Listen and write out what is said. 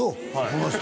この人？